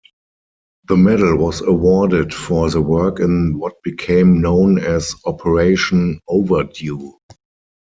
The medal was awarded for the work in what became known as "Operation Overdue".